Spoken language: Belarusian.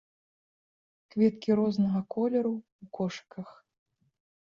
Кветкі рознага колеру, у кошыках.